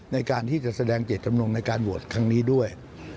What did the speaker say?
ในการที่จะแสดงเจตจำนงในการโหวตครั้งนี้ด้วย